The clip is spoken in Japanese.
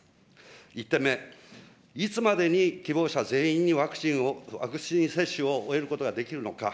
１点目、いつまでに希望者全員にワクチン接種を終えることができるのか。